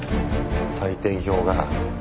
採点表が。